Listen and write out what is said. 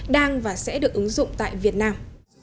đang và sẽ được ứng dụng tại việt nam